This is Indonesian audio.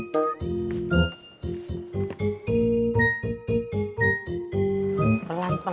bu tati mau ke pasar bu